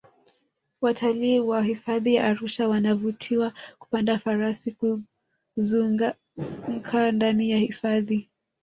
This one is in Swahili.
watalii wa hifadhi ya arusha wanavutiwa kupanda farasi kuzungaka ndani ya hifadhi